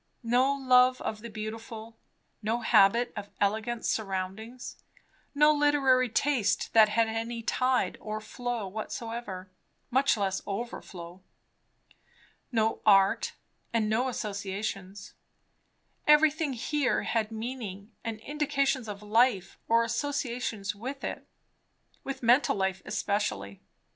No love of the beautiful; no habit of elegant surroundings; no literary taste that had any tide or flow whatsoever, much less overflow. No art, and no associations. Everything here had meaning, and indications of life, or associations with it; with mental life especially.